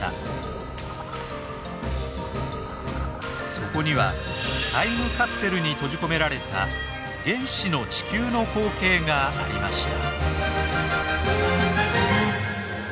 そこにはタイムカプセルに閉じ込められた「原始の地球」の光景がありました。